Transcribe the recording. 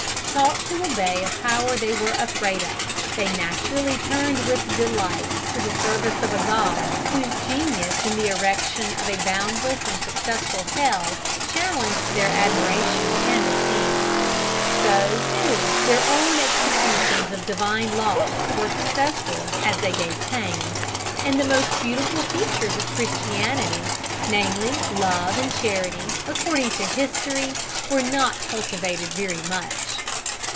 Taught to obey a power they were afraid of, they naturally turned with delight to the service of a God whose genius in the erection of a boundless and successful hell challenged their admiration and esteem. So, too, their own executions of Divine laws were successful as they gave pain, and the most beautiful features of Christianity, namely, love and charity, according to history, were not cultivated very much.